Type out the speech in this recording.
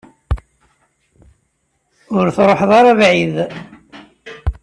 Ur truḥeḍ ara bɛid.